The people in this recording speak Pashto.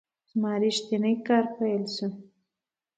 زما ریښتینی کار پیل شو .